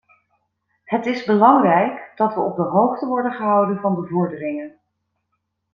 Het is belangrijk dat we op de hoogte worden gehouden van de vorderingen.